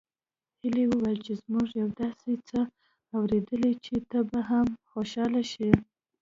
هيلې وويل چې موږ يو داسې څه اورېدلي چې ته به هم خوشحاله شې